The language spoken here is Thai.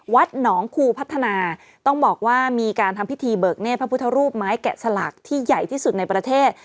วัดหนองคูพัฒนาต้องบอกว่ามีการทำพิธีเบิกเนธพระพุทธรูปไม้แกะสลักที่ใหญ่ที่สุดในประเทศ